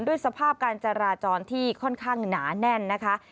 สภาพการจราจรที่ค่อนข้างหนาแน่นนะคะ